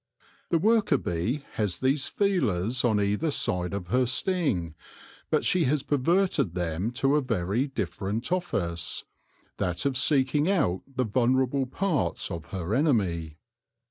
The worker bee has these feelers on either side of her sting, but she has perverted them to a very different office, that of seeking out the vulnerable parts of her enemy.